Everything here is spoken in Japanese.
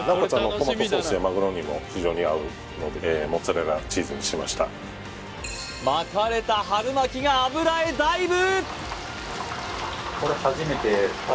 トマトソースやまぐろにも非常に合うのでモッツァレラチーズにしました巻かれた春巻きが油へダイブ！